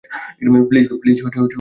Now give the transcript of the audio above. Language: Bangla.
প্লিজ বুঝো একটু।